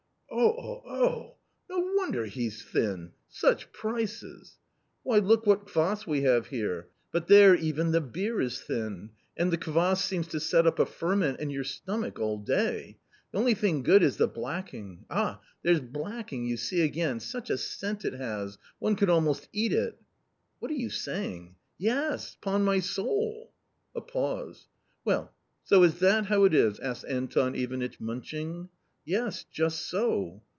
" Oh, oh, oh ! no wonder he's thin ! such prices !"" Why, look what kvas we have here, but there even the beer is thin ; and the kvas seems to set up a ferment in your stomach all day ! The only thing good is the blacking — ah, there's blacking, you see again ! such a scent it has ; one could almost eat it !"" What are you saying !*'" Yes, 'pon my soul." A pause. " Well, so is that how it is ?" asked Anton Ivanitch munching. " Yes, just so."